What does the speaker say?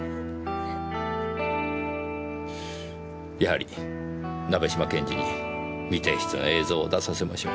やはり鍋島検事に未提出の映像を出させましょう。